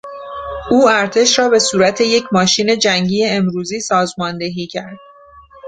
او ارتش را به صورت یک ماشین جنگی امروزی سازماندهی کرد.